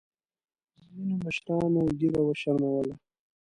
ځینو مشرانو ګیره وشرمولـه.